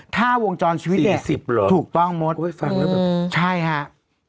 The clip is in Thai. ถ้าวงจรชีวิตเนี่ยถูกป้องมดใช่ครับฟังเลย